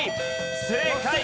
正解！